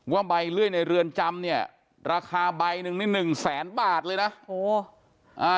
ว่าใบเลื่อยในเรือนจำเนี่ยราคาใบหนึ่งหนึ่งแสนบาทเลยนะ